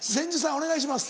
お願いします。